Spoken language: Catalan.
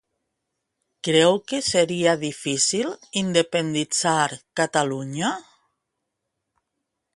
Creu que seria difícil independitzar Catalunya?